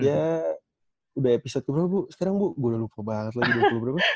ya udah episode keberapa bu sekarang bu udah lupa banget lagi keberapa